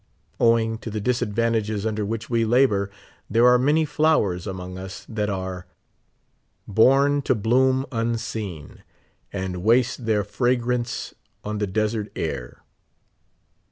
Owing to the disadvan tages under which we labor, there are many flowers among us that are ' born to bloom unseen, And waste their fragrance on the desert air."